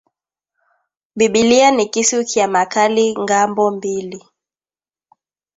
Bibilia ni kisu kya makali ngambo mbili